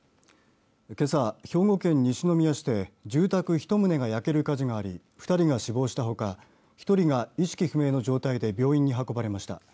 けさ、兵庫県西宮市で住宅１棟が焼ける火事があり２人が死亡したほか１人が意識不明の状態で病院に運ばれました。